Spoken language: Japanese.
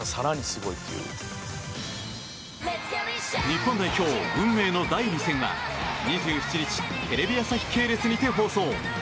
日本代表運命の第２戦は２７日テレビ朝日系列にて放送。